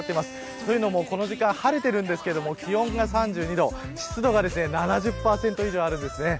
というのもこの時間晴れていますが気温は３２度湿度は７０％以上あるんですね。